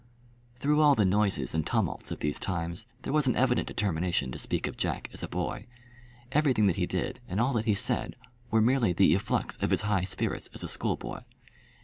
Through all the noises and tumults of these times there was an evident determination to speak of Jack as a boy. Everything that he did and all that he said were merely the efflux of his high spirits as a schoolboy.